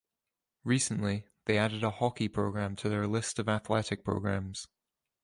Recently, they added a hockey program to their list of athletic programs.